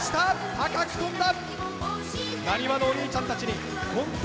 高く飛んだ！